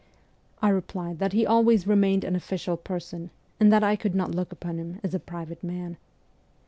I replied that he always remained an official person, and that I could not look upon him as a private man.